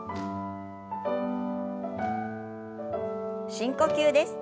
深呼吸です。